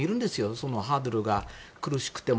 そのハードルが苦しくても。